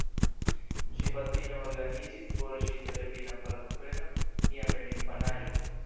Ŝi patrino organizis por ŝi televidan partoprenon jam en infanaĝo.